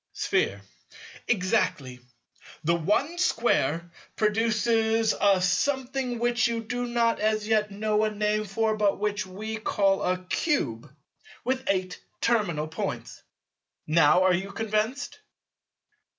Sphere. Exactly. The one Square produces a Something which you do not as yet know a name for but which we call a cube with eight terminal Points. Now are you convinced?